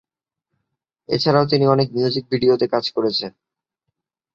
এছাড়াও তিনি অনেক মিউজিক ভিডিওতে কাজ করেছেন।